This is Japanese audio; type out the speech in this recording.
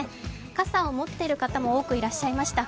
傘を持っている方もおおくいらっしゃいました。